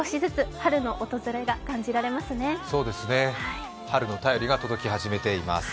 春の便りが届き始めています。